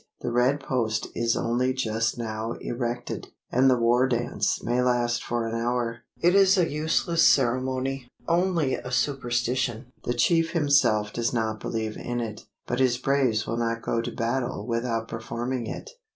The red post is only just now erected; and the war dance may last for an hour. It is a useless ceremony only a superstition. The chief himself does not believe in it; but his braves will not go to battle without performing it.